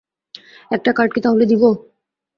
একটা কার্ড কি তাহলে দিবো?